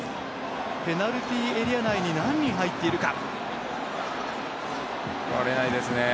ペナルティーエリア内に何人、入っているか。